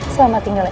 selamat tinggal eros